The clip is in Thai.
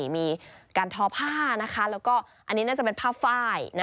มีการทอผ้าแล้วก็อันนี้น่าจะเป็นผ้าไฟล์